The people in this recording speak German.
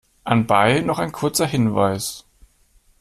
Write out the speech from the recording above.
Anbei noch ein kurzer Hinweis.